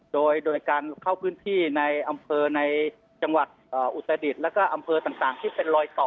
โดยการเข้าพื้นที่ในอำเภอในจังหวัดอุตรดิษฐ์แล้วก็อำเภอต่างที่เป็นรอยต่อ